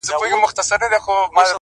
د ژوند په څو لارو كي!!